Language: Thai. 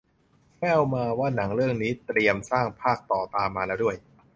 แว่วมาว่าหนังเรื่องนี้เตรียมสร้างภาคต่อตามมาแล้วด้วย